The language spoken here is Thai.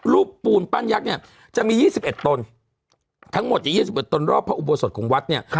ปูนปั้นยักษ์เนี่ยจะมี๒๑ตนทั้งหมด๒๑ตนรอบพระอุโบสถของวัดเนี่ย